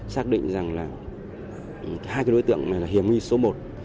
xác định rằng hai đối tượng này là hiểm nghi số một